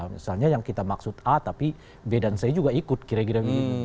misalnya yang kita maksud a tapi b dan c juga ikut kira kira begitu